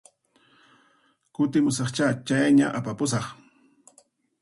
Kutimusaqchá, chayña apakapusaq